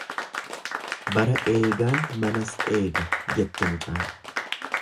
Bara eegaan manas eega jette mucaan.